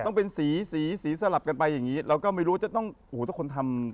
ต้องเป็นสีสลับกันไปอย่างนี้แล้วก็ไม่รู้ว่าจะต้องโหทุกคนทำ